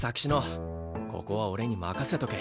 ここは俺に任せとけ。